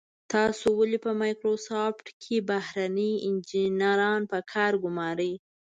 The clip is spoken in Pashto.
تاسو ولې په مایکروسافټ کې بهرني انجنیران په کار ګمارئ.